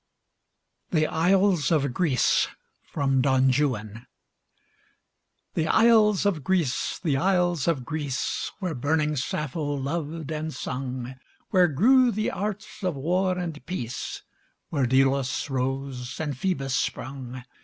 THE ISLES OF GREECE From 'Don Juan' The isles of Greece! the isles of Greece! Where burning Sappho loved and sung, Where grew the arts of war and peace, Where Delos rose and Phoebus sprung!